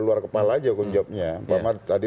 luar kepala aja aku jawabnya pak mat tadi